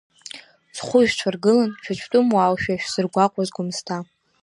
Зхәыжәцәа ргылан, шәацәтәымуааушәа шәзыргәаҟуаз Гәымсҭа…